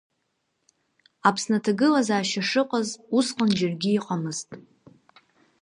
Аԥсны аҭагылазаашьа шыҟаз усҟан џьаргьы иҟамызт.